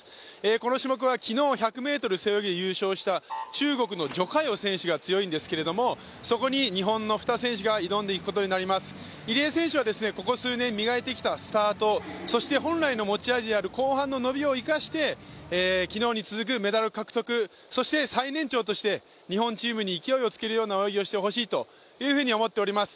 この種目は昨日１００ｍ背泳ぎで優勝した中国の徐嘉余選手が強いんですけれども、そこに日本の２選手が挑んでいくことになります入江選手はここ数年磨いてきたスタート、そして本来の持ち味である後半の伸びを生かして、昨日に続くメダル獲得、そして最年長として日本チームに勢いをつけるような泳ぎをしてほしいと思っています。